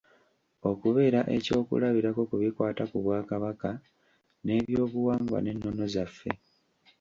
Okubeera eky'okulabirako ku bikwata ku bwakabaka n'eby'obuwangwa n'ennono zaffe.